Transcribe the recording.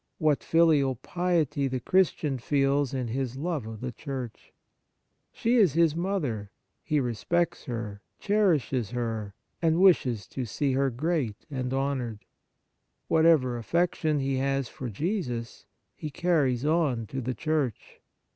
What filial piety the Christian feels in his love of the Church ! She is his mother; he respects her, cherishes her, and wishes to see her great and 141 On Piety honoured. Whatever affection he has for Jesus, he carries on to the Church.